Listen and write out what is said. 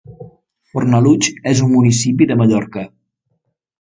Fornalutx és un municipi de Mallorca.